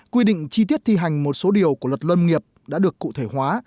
quy định chi tiết thi hành một số điều của luật lâm nghiệp đã được cụ thể hóa